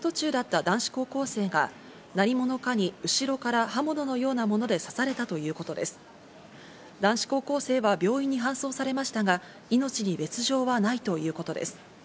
男子高校生は病院に搬送されましたが、命に別条はないということです。